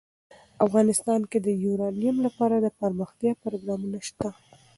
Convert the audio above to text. افغانستان کې د یورانیم لپاره دپرمختیا پروګرامونه شته.